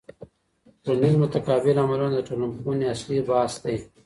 ټولنیز متقابل عملونه د ټولنپوهني اصلي بحث دی.